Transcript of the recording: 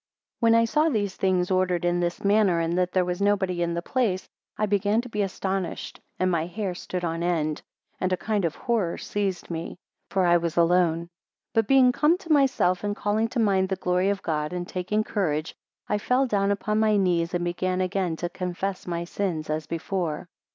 7 When I saw these things ordered in this manner, and that there was nobody in the place, I began to be astonished, and my hair stood on end, and a kind of horror seized me; for I was alone. 8 But being come to myself, and calling to mind the glory of God, and taking courage, I fell down upon my knees and began again to confess my sins as before.